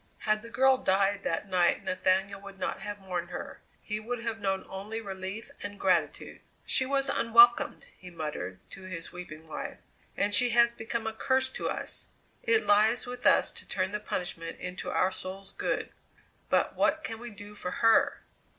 Had the girl died that night Nathaniel would not have mourned her, he would have known only relief and gratitude. "She was unwelcomed," he muttered to his weeping wife; "and she has become a curse to us. It lies with us to turn the punishment into our souls' good; but what can we do for her?"